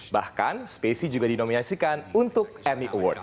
bahkan spacey juga dinomiasikan untuk emmy awards